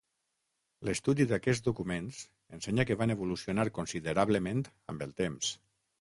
L'estudi d'aquests documents ensenya que van evolucionar considerablement amb el temps.